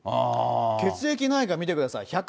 血液内科見てください。